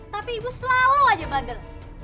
tapi ibu selalu aja bandel